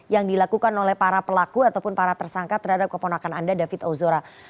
yang dilakukan oleh para pelaku ataupun para tersangka terhadap keponakan anda david ozora